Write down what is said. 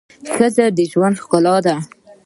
ښځه د ژوند ښکلا ده.